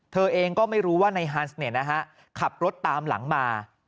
เธอเองก็ไม่รู้ว่านายฮันส์ขับรถตามหลังมา